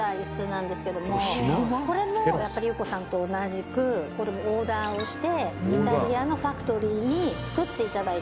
「これもやっぱりゆう子さんと同じくこれもオーダーをしてイタリアのファクトリーに作って頂いた」